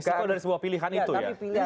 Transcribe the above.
kalau dari sebuah pilihan itu ya